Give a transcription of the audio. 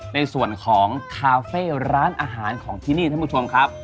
ในส่วนของคาเฟ่ร้านอาหารของที่นี่ท่านผู้ชมครับ